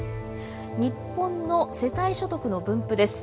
日本の世帯所得の分布です。